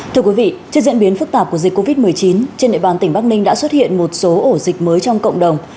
thưa quý vị trước diễn biến phức tạp của dịch covid một mươi chín trên địa bàn tỉnh bắc ninh đã xuất hiện một số ổ dịch mới trong cộng đồng